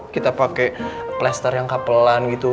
kita pakai plaster yang kapelan gitu